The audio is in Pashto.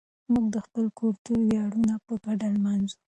موږ د خپل کلتور ویاړونه په ګډه لمانځو.